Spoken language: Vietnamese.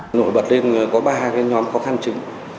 hà nội bật lên có ba nhóm khó khăn chính